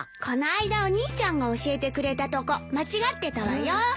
この間お兄ちゃんが教えてくれたとこ間違ってたわよ。